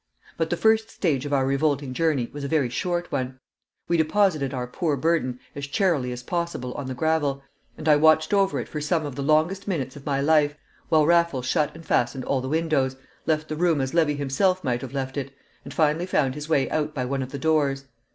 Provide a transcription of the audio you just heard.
But the first stage of our revolting journey was a very short one. We deposited our poor burden as charily as possible on the gravel, and I watched over it for some of the longest minutes of my life, while Raffles shut and fastened all the windows, left the room as Levy himself might have left it, and finally found his way out by one of the doors.